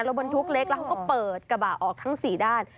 ลงบนทุกข์เล็กแล้วก็เปิดกระบะออกทั้ง๔ด้าน